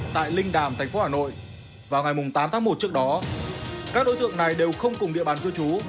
tại linh đàm thành phố hà nội vào ngày tám tháng một trước đó các đối tượng này đều không cùng địa bàn cư trú